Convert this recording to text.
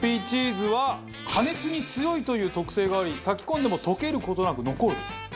６Ｐチーズは加熱に強いという特性があり炊き込んでも溶ける事なく残る。